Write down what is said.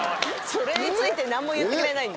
それについて何も言ってくれないんだ。